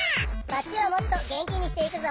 マチをもっと元気にしていくぞ！